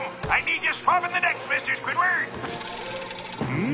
うん？